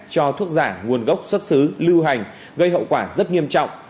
cho thuốc giả nguồn gốc xuất xứ lưu hành gây hậu quả rất nghiêm trọng